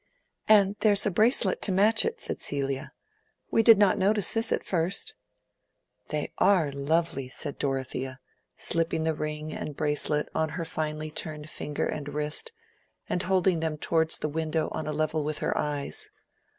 "And there is a bracelet to match it," said Celia. "We did not notice this at first." "They are lovely," said Dorothea, slipping the ring and bracelet on her finely turned finger and wrist, and holding them towards the window on a level with her eyes.